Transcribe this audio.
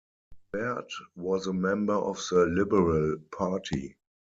Baird was a member of the Liberal Party.